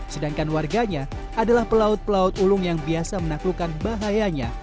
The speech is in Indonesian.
sedangkan warganya adalah pelaut pelaut ulung yang biasa menaklukkan bahayanya